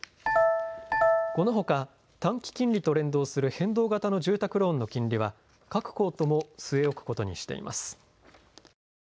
このほか短期金利と連動する変動型の住宅ローンの金利は各行とも据え置くことにしています。